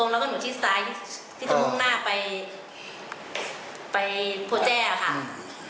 เลนสายสุดเขาก็จะกลับรถ